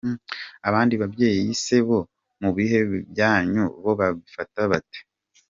Abandi babyeyi se bo mu bihe byanyu bo babifataga bate?.